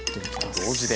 同時で。